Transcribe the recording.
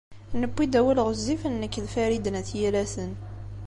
Newwi-d awal ɣezzifen nekk d Farid n At Yiraten.